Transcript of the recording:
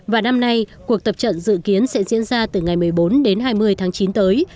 và năm nay cuộc tập trận dự kiến sẽ diễn ra từ ngày một mươi bốn đến hai mươi tháng chín tới